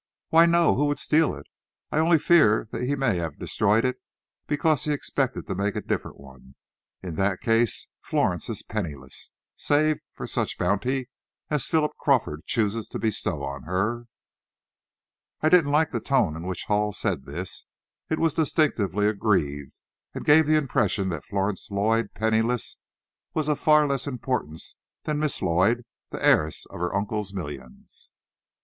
"Why, no; who would steal it? I only fear he may have destroyed it because he expected to make a different one. In that case, Florence is penniless, save for such bounty as Philip Crawford chooses to bestow on her." I didn't like the tone in which Hall said this. It was distinctly aggrieved, and gave the impression that Florence Lloyd, penniless, was of far less importance than Miss Lloyd, the heiress of her uncle's millions.